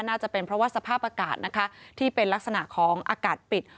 น่าจะเป็นเพราะว่าสภาพอากาศนะคะที่เป็นลักษณะของอากาศปิด